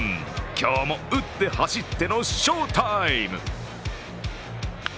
今日も打って走っての翔タイム。